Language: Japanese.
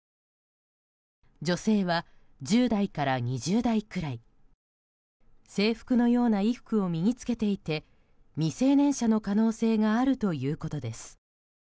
女性は１０代から２０代くらい制服のような衣服を身に着けていて未成年者の可能性があるということです。